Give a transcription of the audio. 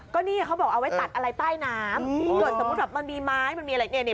ก็นี่เขาบอกเอาไว้ตัดอะไรใต้น้ำเกิดสมมติว่ามันมีไม้มีอะไร